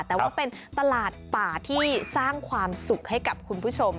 แต่ว่าเป็นตลาดป่าที่สร้างความสุขให้กับคุณผู้ชม